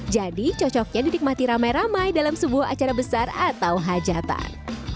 jadi cocoknya dinikmati ramai ramai dalam sebuah acara besar atau hajatan